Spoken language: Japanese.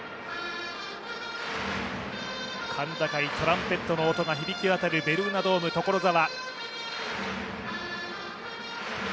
甲高いトランペットの音が響きわたるベルーナドーム、所沢。